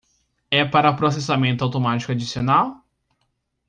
É para processamento automático adicional?